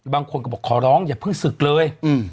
บางคนก็บอกขอร้องอย่าเพิ่งศึกเลย